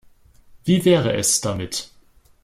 Wie wäre es damit?